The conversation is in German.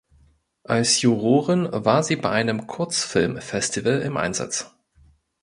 Als Jurorin war sie bei einem Kurzfilmfestival im Einsatz.